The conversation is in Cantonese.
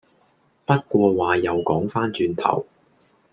不過話又講番轉頭